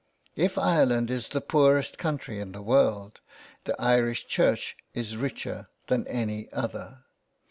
If Ireland is the poorest country in the world, the Irish Church is richer than any other.